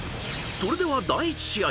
［それでは第１試合］